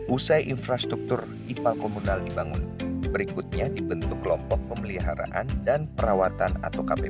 usai infrastruktur ipal komunal dibangun berikutnya dibentuk kelompok pemeliharaan dan perawatan atau kpp